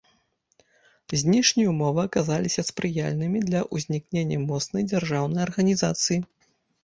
Знешнія ўмовы аказаліся спрыяльнымі для ўзнікнення моцнай дзяржаўнай арганізацыі.